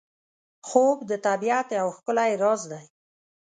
خوب د طبیعت یو ښکلی راز دی